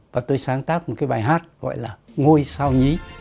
và tôi sáng tác một cái bài hát gọi là ngôi sao nhí